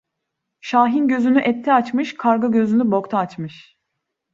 Şahin gözünü ette açmış; karga gözünü bokta açmış.